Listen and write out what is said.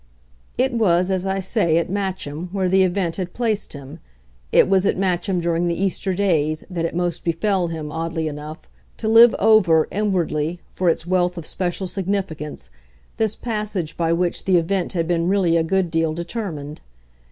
It was, as I say, at Matcham, where the event had placed him, it was at Matcham during the Easter days, that it most befell him, oddly enough, to live over, inwardly, for its wealth of special significance, this passage by which the event had been really a good deal determined.